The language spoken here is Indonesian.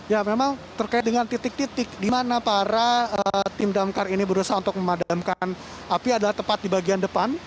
ya memang terkait dengan titik titik di mana para tim damkar ini berusaha untuk memadamkan api adalah tepat di bagian depan